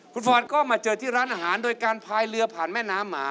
คุณฟอนก็มาเจอที่ร้านอาหารโดยการพายเรือผ่านแม่น้ำหมา